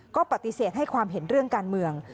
ก็ปฏิเสธให้ความเห็นเรื่องการเมือง